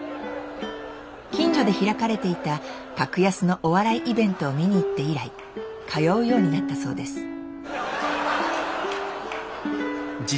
近所で開かれていた格安のお笑いイベントを見に行って以来通うようになったそうです。